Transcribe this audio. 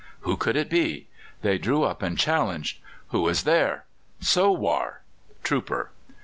Who could it be? They drew up and challenged. "Who is there?" "Sowar" (trooper).